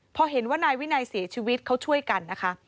พอเห็นว่านายวินัยเสียชีวิตเขาช่วยกันนะคะ